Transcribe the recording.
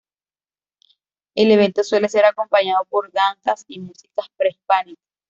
El evento suele ser acompañado por danzas y música prehispánica.